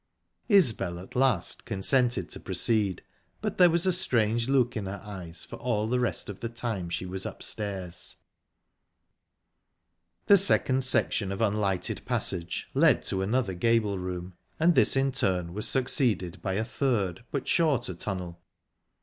Isbel at last consented to proceed, but there was a strange look in her eyes for all the rest of the time she was upstairs. The second section of unlighted passage led to another gable room, and this in turn was succeeded by a third, but shorter, tunnel.